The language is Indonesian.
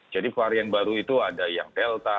jadi varian baru itu ada yang delta